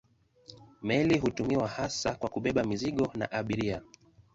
Meli hutumiwa hasa kwa kubeba mizigo na abiria.